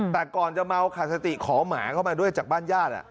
แต่ก่อนจะเมาขาดสติขอหมาเข้ามาด้วยจากบ้านญาติ